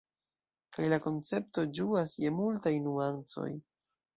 Kaj la koncepto ĝuas je multaj nuancoj.